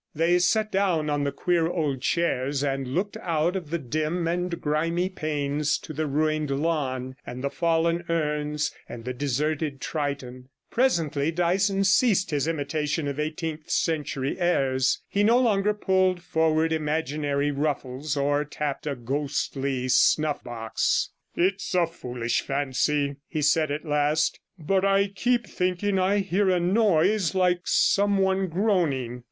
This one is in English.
They sat down on the queer old chairs, and looked out of the dim and grimy panes to the ruined lawn, and the fallen urns, and the deserted Triton. 146 Presently Dyson ceased his imitation of eighteenth century airs; he no longer pulled forward imaginary ruffles, or tapped a ghostly snuff box. 'It's a foolish fancy,' he said at last; 'but I keep thinking I hear a noise like some one groaning.